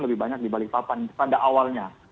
lebih banyak di balikpapan pada awalnya